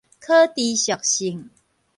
可持續性